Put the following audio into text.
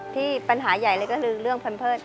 ที่ปัญหาใหญ่เลยก็คือเรื่องแพมเพิร์ต